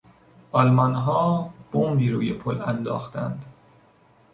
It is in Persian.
آلمانها بمبی روی پل انداختند.